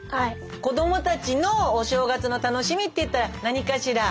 子どもたちのお正月の楽しみって言ったら何かしら？